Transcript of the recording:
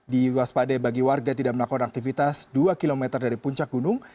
diwaspadai bagi warga tidak melakukan aktivitas dua km dari puncak gunung